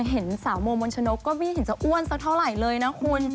เห็นสาวโมมนชนกก็ไม่เห็นจะอ้วนสักเท่าไหร่เลยนะคุณ